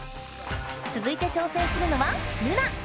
つづいて挑戦するのはルナ。